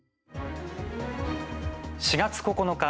４月９日。